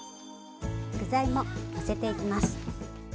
具材ものせていきます。